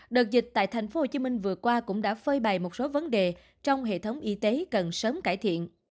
đợt dịch tại tp hcm vừa qua cũng đã phơi bày một số vấn đề trong hệ thống y tế cần sớm cải thiện